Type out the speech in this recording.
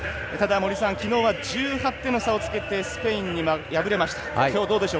きのうは１８点の差をつけてスペインに敗れました。